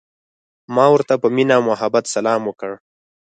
ما ورته په مینه او محبت سلام وکړ.